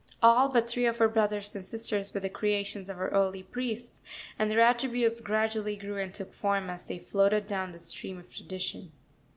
All but three of her brothers and sisters were the creations of her early priests, and their attributes gradually grew and took form as they floated down the stream of tradition.